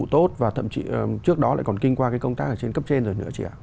tốt và thậm chí trước đó lại còn kinh qua cái công tác ở trên cấp trên rồi nữa chị ạ